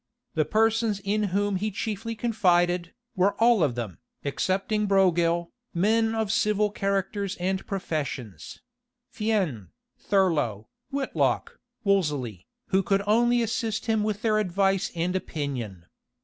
The persons in whom he chiefly confided, were all of them, excepting Broghill, men of civil characters and professions; Fiennes, Thurloe, Whitlocke, Wolseley, who could only assist him with their advice and opinion.